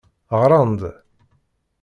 Ɣran-d.